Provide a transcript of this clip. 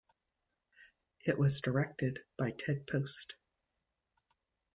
It was directed by Ted Post.